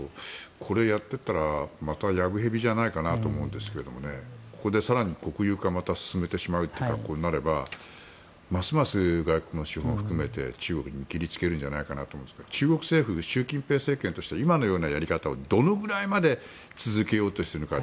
これをやっていったらまた、藪蛇じゃないかなと思うんですけどここで更に国有化をまた進めてしまうとなればますます外国を含めて中国に見切りをつけるんじゃないかと思うんですけど中国政府、習近平政権としては今のようなやり方をどのくらいまで続けようとするか。